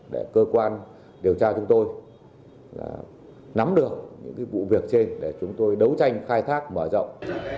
để cơ quan điều tra chúng tôi nắm được những vụ việc trên để chúng tôi đấu tranh khai thác mở rộng